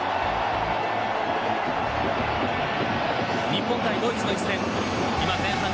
日本対ドイツ戦の一戦。